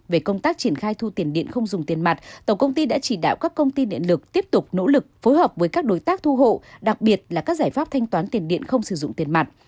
về công tác triển khai thu tiền điện không dùng tiền mặt tổng công ty đã chỉ đạo các công ty điện lực tiếp tục nỗ lực phối hợp với các đối tác thu hộ đặc biệt là các giải pháp thanh toán tiền điện không sử dụng tiền mặt